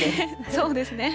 そうですね。